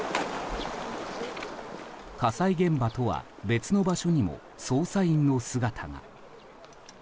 火災現場とは別の場所にも捜査員の姿が。